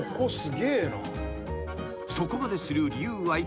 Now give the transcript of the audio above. ［そこまでする理由はいったい］